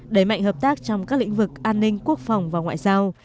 đẩy mạnh hợp tác trong các lĩnh vực an ninh quốc phòng và ngoại giao